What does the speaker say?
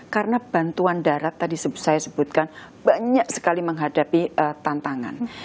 karena bantuan darat tadi saya sebutkan banyak sekali menghadapi tantangan